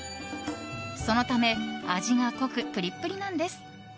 そのため味が濃くプリプリなんです。